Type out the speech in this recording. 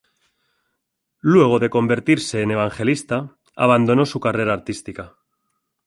Luego de convertirse en evangelista abandonó su carrera artística.